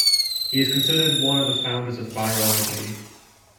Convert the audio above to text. He is considered one of the founders of virology.